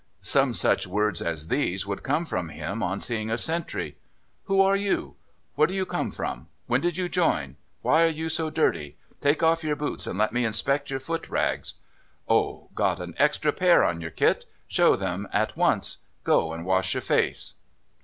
Some such words as these would come from him on seeing a sentry: "Who are you? Where do you come from? When did you join? Why are you so dirty? Take off your boots and let me inspect your foot rags? Oh, got an extra pair in your kit? Show them at once. Go and wash your face."